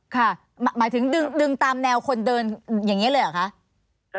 หมายถึงดึงตามแนวคนเดินอย่างนี้เลยเหรอคะ